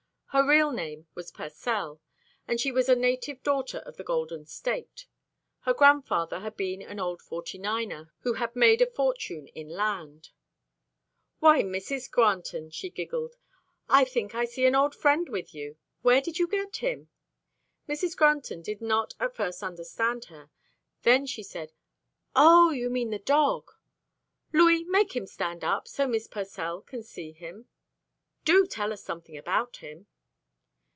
Her real name was Pursell, and she was a native daughter of the Golden State. Her grandfather had been an old forty niner who had made a fortune in land. "Why, Mrs. Granton," she giggled, "I think I see an old friend with you. Where did you get him?" Mrs. Granton did not at first understand her, then she said, "Oh! you mean the dog. Louis, make him stand up, so Miss Pursell can see him. Do tell us something about him."